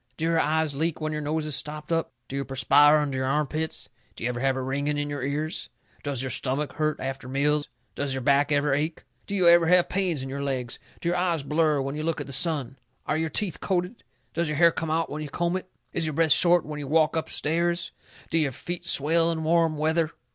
Do your eyes leak when your nose is stopped up? Do you perspire under your arm pits? Do you ever have a ringing in your ears? Does your stomach hurt you after meals? Does your back ever ache? Do you ever have pains in your legs? Do your eyes blur when you look at the sun? Are your teeth coated? Does your hair come out when you comb it? Is your breath short when you walk up stairs? Do your feet swell in warm weather?